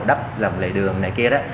đắp lầm lệ đường này kia đó